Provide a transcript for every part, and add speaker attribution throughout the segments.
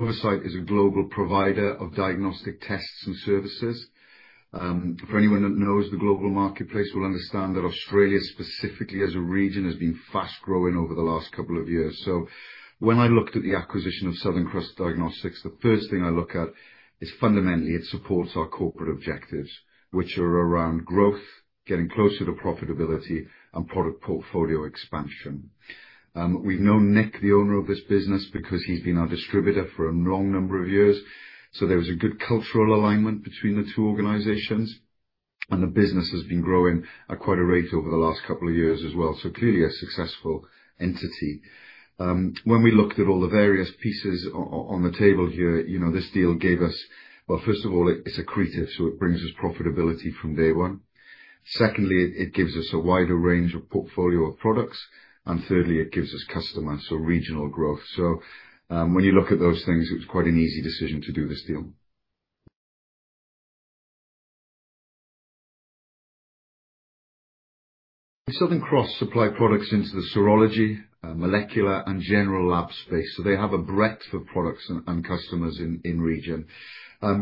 Speaker 1: Novacyt is a global provider of diagnostic tests and services. For anyone that knows the global marketplace will understand that Australia specifically as a region has been fast-growing over the last couple of years. When I looked at the acquisition of Southern Cross Diagnostics, the first thing I look at is fundamentally it supports our corporate objectives, which are around growth, getting closer to profitability, and product portfolio expansion. We've known Nick, the owner of this business, because he's been our distributor for a long number of years. There was a good cultural alignment between the two organizations, and the business has been growing at quite a rate over the last couple of years as well. Clearly a successful entity. When we looked at all the various pieces on the table here, this deal gave us, well, first of all, it's accretive, so it brings us profitability from day one. Secondly, it gives us a wider range of portfolio of products. Thirdly, it gives us customers, a regional growth. When you look at those things, it was quite an easy decision to do this deal. Southern Cross Diagnostics supply products into the serology, molecular, and general lab space. They have a breadth of products and customers in region.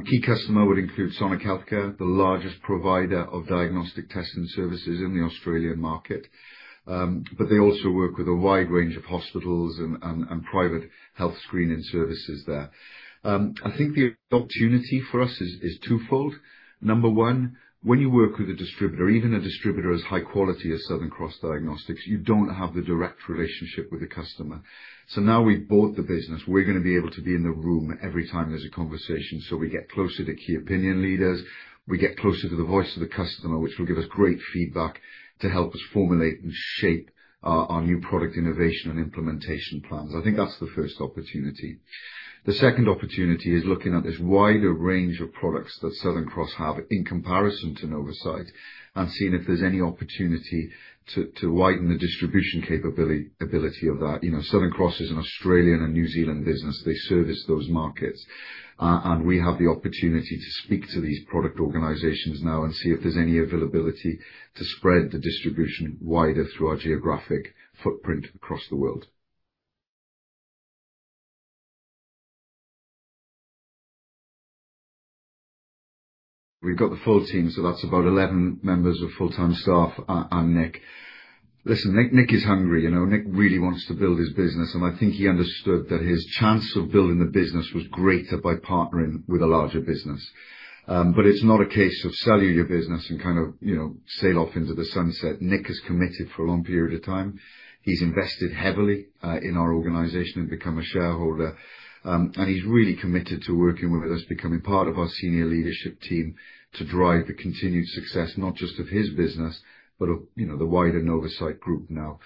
Speaker 1: Key customer would include Sonic Healthcare, the largest provider of diagnostic tests and services in the Australian market. They also work with a wide range of hospitals and private health screening services there. I think the opportunity for us is twofold. Number one, when you work with a distributor, even a distributor as high quality as Southern Cross Diagnostics, you don't have the direct relationship with the customer. Now we've bought the business, we're going to be able to be in the room every time there's a conversation. We get closer to key opinion leaders, we get closer to the voice of the customer, which will give us great feedback to help us formulate and shape our new product innovation and implementation plans. I think that's the first opportunity. The second opportunity is looking at this wider range of products that Southern Cross have in comparison to Novacyt, and seeing if there's any opportunity to widen the distribution capability of that. Southern Cross is an Australian and New Zealand business. They service those markets. We have the opportunity to speak to these product organizations now and see if there's any availability to spread the distribution wider through our geographic footprint across the world. We've got the full team, so that's about 11 members of full-time staff and Nick. Listen, Nick is hungry. Nick really wants to build his business, and I think he understood that his chance of building the business was greater by partnering with a larger business. It's not a case of selling your business and kind of sail off into the sunset. Nick has committed for a long period of time. He's invested heavily in our organization and become a shareholder. He's really committed to working with us, becoming part of our senior leadership team to drive the continued success not just of his business, but of the wider Novacyt group now.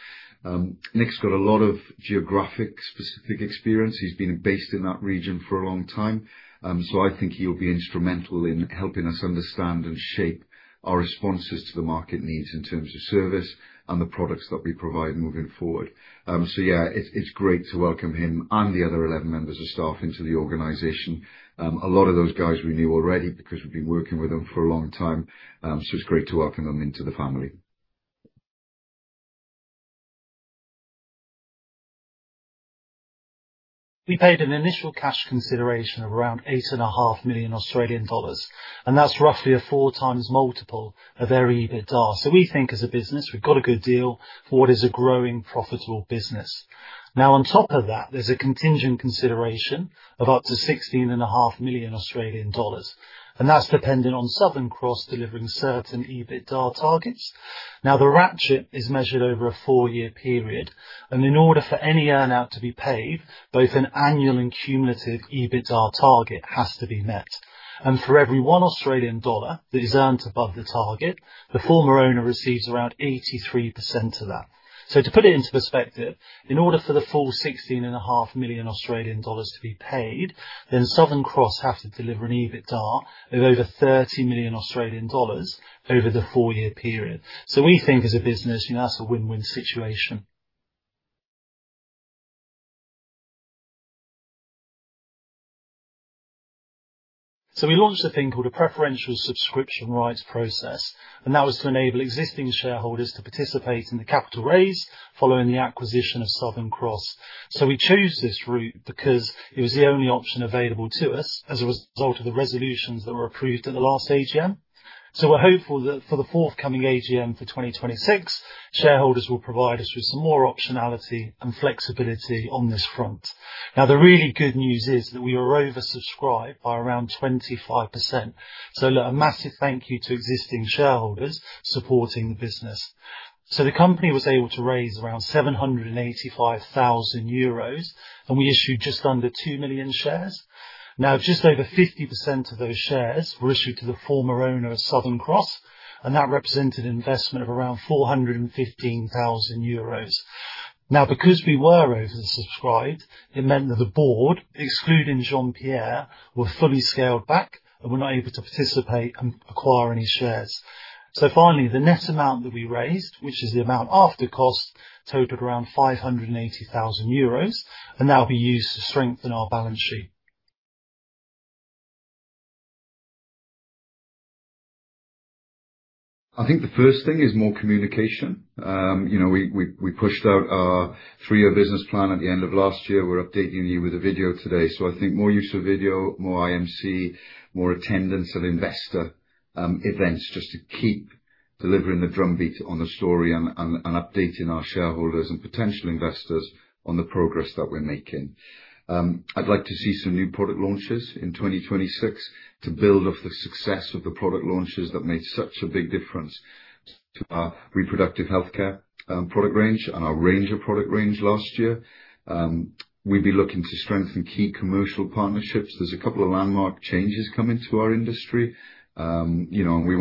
Speaker 1: Nick's got a lot of geographic-specific experience. He's been based in that region for a long time. I think he'll be instrumental in helping us understand and shape our responses to the market needs in terms of service and the products that we provide moving forward. Yeah, it's great to welcome him and the other 11 members of staff into the organization. A lot of those guys we knew already because we've been working with them for a long time. It's great to welcome them into the family. We paid an initial cash consideration of around 8.5 million Australian dollars, and that's roughly a 4x multiple of their EBITDA. We think as a business, we've got a good deal for what is a growing profitable business. On top of that, there's a contingent consideration of up to 16.5 million Australian dollars, and that's dependent on Southern Cross delivering certain EBITDA targets. The ratchet is measured over a four-year period, and in order for any earn-out to be paid, both an annual and cumulative EBITDA target has to be met. For every 1 Australian dollar that is earned above the target, the former owner receives around 83% of that. To put it into perspective, in order for the full 16.5 million Australian dollars to be paid, then Southern Cross have to deliver an EBITDA of over 30 million Australian dollars over the four-year period. We think as a business, that's a win-win situation. We launched a thing called a preferential subscription rights process, and that was to enable existing shareholders to participate in the capital raise following the acquisition of Southern Cross. We chose this route because it was the only option available to us as a result of the resolutions that were approved at the last AGM. We're hopeful that for the forthcoming AGM for 2026, shareholders will provide us with some more optionality and flexibility on this front. Now, the really good news is that we were oversubscribed by around 25%. A massive thank you to existing shareholders supporting the business. The company was able to raise around 785 thousand euros, and we issued just under two million shares. Now, just over 50% of those shares were issued to the former owner of Southern Cross, and that represented investment of around 415 thousand euros. Now, because we were oversubscribed, it meant that the board, excluding Jean-Pierre, were fully scaled back and were not able to participate and acquire any shares. Finally, the net amount that we raised, which is the amount after cost, totaled around 580 thousand euros, and that will be used to strengthen our balance sheet. I think the first thing is more communication. We pushed out our three-year business plan at the end of last year. We're updating you with a video today. I think more use of video, more RNS, more attendance at investor events, just to keep delivering the drumbeat on the story and updating our shareholders and potential investors on the progress that we're making. I'd like to see some new product launches in 2026 to build off the success of the product launches that made such a big difference to our reproductive healthcare product range and our product range last year. We'll be looking to strengthen key commercial partnerships. There's a couple of landmark changes coming to our industry. We want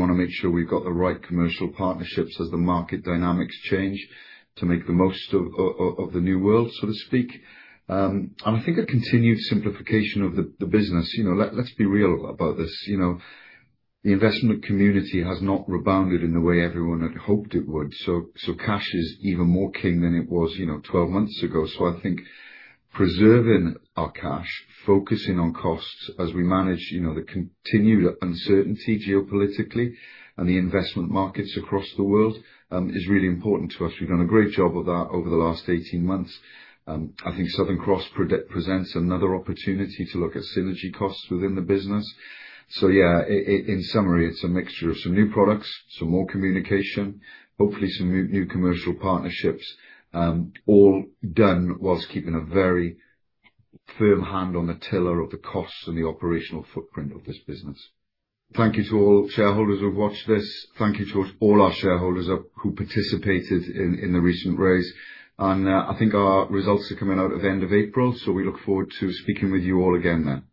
Speaker 1: to make sure we've got the right commercial partnerships as the market dynamics change to make the most of the new world, so to speak. I think a continued simplification of the business. Let's be real about this. The investment community has not rebounded in the way everyone had hoped it would. Cash is even more king than it was 12 months ago. I think preserving our cash, focusing on costs as we manage the continued uncertainty geopolitically and the investment markets across the world, is really important to us. We've done a great job of that over the last 18 months. I think Southern Cross presents another opportunity to look at synergy costs within the business. Yeah, in summary, it's a mixture of some new products, some more communication, hopefully some new commercial partnerships, all done while keeping a very firm hand on the tiller of the costs and the operational footprint of this business. Thank you to all shareholders who have watched this. Thank you to all our shareholders who participated in the recent raise. I think our results are coming out at the end of April, so we look forward to speaking with you all again then.